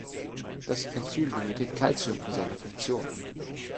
Das Enzym benötigt Calcium für seine Funktion.